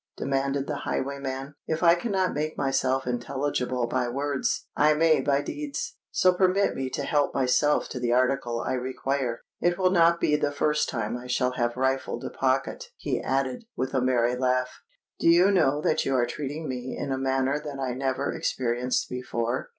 demanded the highwayman. "If I cannot make myself intelligible by words, I may by deeds: so permit me to help myself to the article I require. It will not be the first time I shall have rifled a pocket," he added, with a merry laugh. "Do you know that you are treating me in a manner that I never experienced before?"